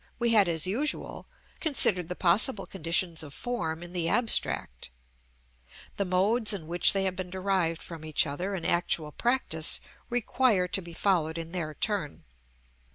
we had, as usual, considered the possible conditions of form in the abstract; the modes in which they have been derived from each other in actual practice require to be followed in their turn.